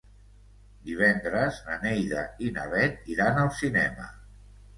Divendres na Neida i na Bet iran al cinema.